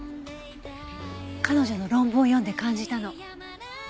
彼女の論文を読んで感じたの。